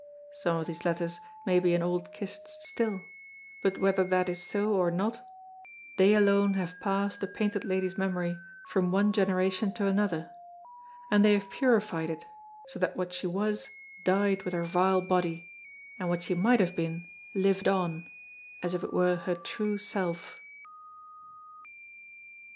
Some of these letters may be in old kists still, but whether that is so or not, they alone have passed the Painted Lady's memory from one generation to another, and they have purified it, so that what she was died with her vile body, and what she might have been lived on, as if it were her true self.